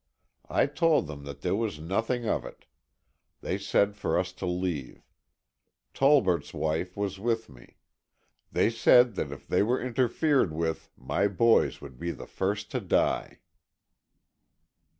I told them that there was nothing of it. They said for us to leave. Tolbert's wife was with me. They said that if they were interfered with my boys would be the first to die."